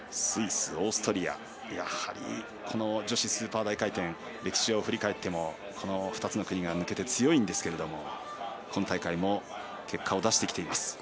スイス、オーストリアやはり女子スーパー大回転歴史を振り返っても２つの国が抜けて強いんですが今大会も結果を出しています。